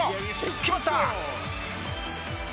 決まった！